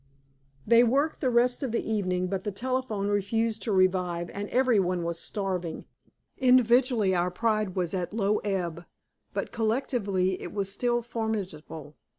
They worked the rest of the evening, but the telephone refused to revive and every one was starving. Individually our pride was at low ebb, but collectively it was still formidable.